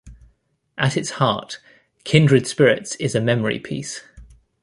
At its heart, "Kindred Spirits" is a memory piece.